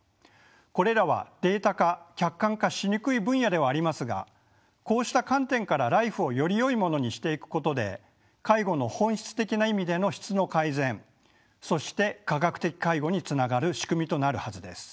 これらはデータ化客観化しにくい分野ではありますがこうした観点からＬＩＦＥをよりよいものにしていくことで介護の本質的な意味での質の改善そして科学的介護につながる仕組みとなるはずです。